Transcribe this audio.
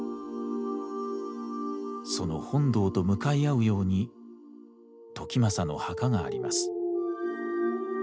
その本堂と向かい合うように時政の墓があります。